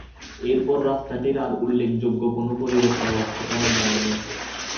এরপর রাস্তাটির আর উল্লেখযোগ্য কোন পরিবর্তন লক্ষ্য করা যায়নি।